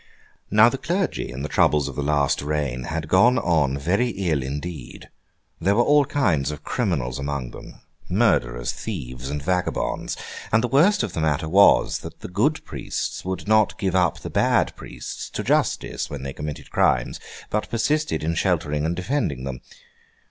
Now, the clergy, in the troubles of the last reign, had gone on very ill indeed. There were all kinds of criminals among them—murderers, thieves, and vagabonds; and the worst of the matter was, that the good priests would not give up the bad priests to justice, when they committed crimes, but persisted in sheltering and defending them.